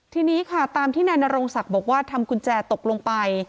ทีนี้ค่ะตามที่นายนโรงศักดิ์บอกว่าทำกุญแจตกลงไป